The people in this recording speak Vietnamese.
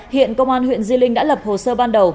hiện công an huyện di linh đã lập hồ sơ ban đầu